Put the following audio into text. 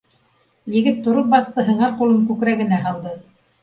Егет тороп баҫты, һыңар ҡулын күкрәгенә һалды